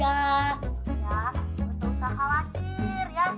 iya nggak usah khawatir ya